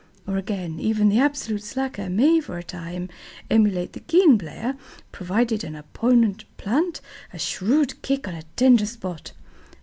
Or, again, even the absolute slacker may for a time emulate the keen player, provided an opponent plant a shrewd kick on a tender spot.